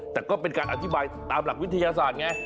แต่ก็เป็นการอธิบายตามหลักวิทยาศาสตร์ไง